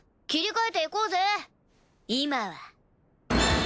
切り替えていこうぜ今は。